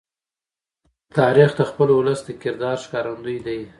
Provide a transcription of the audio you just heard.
تاریخ د خپل ولس د کردار ښکارندوی دی.